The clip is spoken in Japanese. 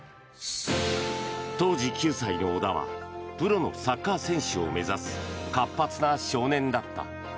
当時９歳の小田はプロのサッカー選手を目指す活発な少年だった。